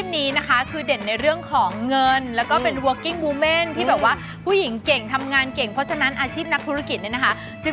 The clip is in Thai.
เหมือนที่เราชอบนะทั้งผู้หญิงทั้งผู้ชายก็ชอบคล้ายกัน